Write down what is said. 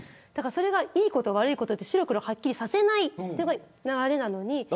それがいいこと悪いことって白黒はっきりさせないというのがあれなのに。